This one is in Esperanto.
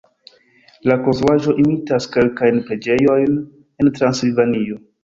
La konstruaĵo imitas kelkajn preĝejojn en Transilvanio.